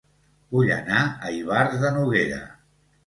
Vull anar a Ivars de Noguera